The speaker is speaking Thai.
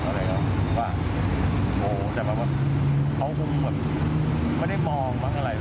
ก็เลยว่าโอ้โฮแต่แบบว่าเขาคงแบบไม่ได้มองหรือเปล่าอะไร